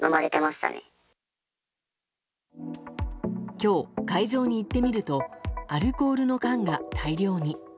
今日、会場に行ってみるとアルコールの缶が大量に。